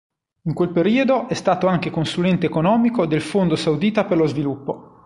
In quel periodo è stato anche consulente economico del Fondo saudita per lo sviluppo.